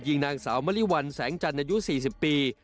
นางสาวมริวัลแสงจันทร์อายุ๔๐ปี